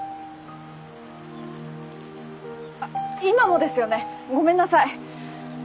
あ今もですよねごめんなさい。